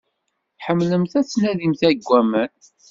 Tḥemmlemt ad tnadimt deg aman.